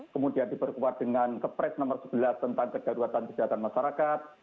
kemudian diperkuat dengan kepres nomor sebelas tentang kedaruratan kesehatan masyarakat